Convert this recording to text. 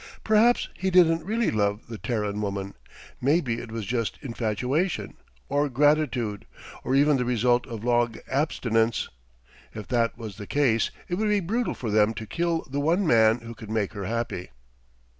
Perhaps he didn't really love the Terran woman maybe it was just infatuation, or gratitude, or even the result of long abstinence. If that was the case, it would be brutal for them to kill the one man who could make her happy.